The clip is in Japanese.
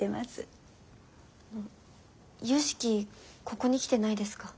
ここに来てないですか？